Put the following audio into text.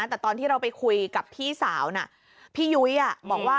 แต่ตอนที่เราไปคุยกับพี่สาวน่ะพี่ยุ้ยบอกว่า